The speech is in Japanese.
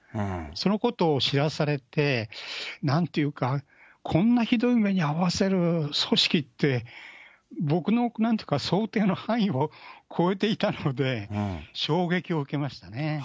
そのことを知らされて、なんていうか、こんなひどい目に遭わせる組織って、僕のなんていうか、想定の範囲を超えていたので、衝撃を受けましたね。